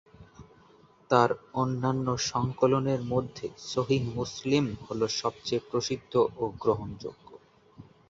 তার অন্যান্য সংকলনের মধ্যে সহীহ মুসলিম হলো সবচেয়ে প্রসিদ্ধ ও গ্রহণযোগ্য।